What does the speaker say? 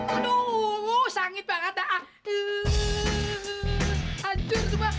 aduh sangit banget dah hancur semua